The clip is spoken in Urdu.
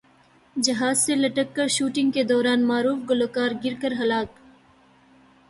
جہاز سے لٹک کر شوٹنگ کے دوران معروف گلوکار گر کر ہلاک